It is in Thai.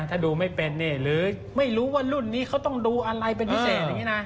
ถ้าดูไม่เป็นหรือไม่รู้ว่ารุ่นนี้เขาต้องดูอะไรเป็นพิเศษ